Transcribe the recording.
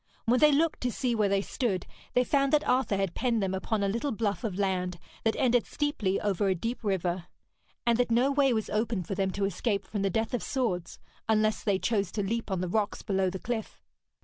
When they looked to see where they stood, they found that Arthur had penned them upon a little bluff of land that ended steeply over a deep river, and that no way was open for them to escape from the death of swords, unless they chose to leap on the rocks below the cliff.